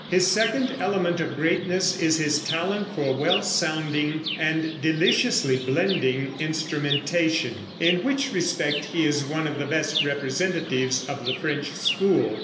His second element of greatness is his talent for well sounding and deliciously blending instrumentation, in which respect he is one of the best representatives of the French school.